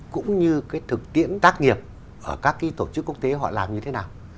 cũng như thực tiễn tác nghiệp ở các tổ chức quốc tế họ làm như thế nào